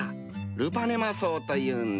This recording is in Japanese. ルパネマ草というんだ。